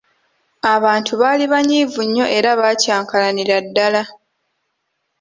Abantu baali banyiivu nnyo era baakyankalanira ddala.